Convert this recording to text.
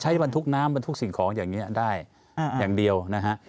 ใช้มันทุกน้ำมันทุกสิ่งของอย่างนี้ได้อย่างเดียวนะครับ